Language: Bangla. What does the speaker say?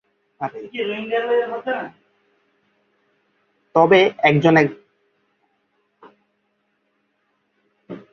তবে একজন একজন করে সাহায্য করলে একসময় সবাইকেই পুনর্বাসন করা সম্ভব হবে।